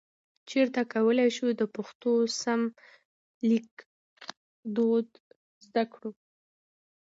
چیرته کولای شو د پښتو سم لیکدود زده کړو؟